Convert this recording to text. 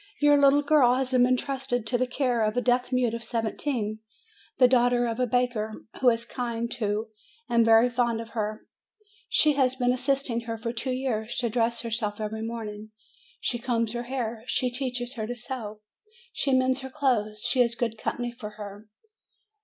Your little girl has been intrusted to the care of a deaf mute of seventeen, the daughter of a baker, who is kind to and very fond of her; she has been assisting her for two years to dress herself every morning; she combs her hair, she teaches her to sew, she mends her clothes, she is good company for her.